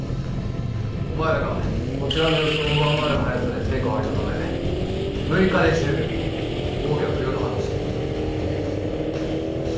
お前らがこちらの予想を上回る速さで成果を上げたため６日で十分防御は不要と判断した。